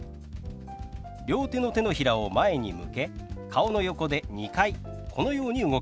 両手の手のひらを前に向け顔の横で２回このように動かします。